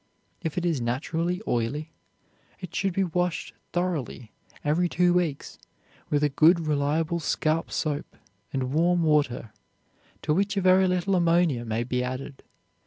If it is naturally oily, it should be washed thoroughly every two weeks with a good reliable scalp soap and warm water, to which a very little ammonia may be added.